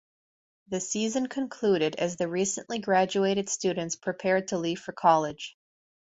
The season concluded as the recently graduated students prepared to leave for college.